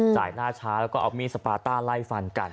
หน้าช้าแล้วก็เอามีดสปาต้าไล่ฟันกัน